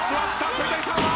鳥谷さんは？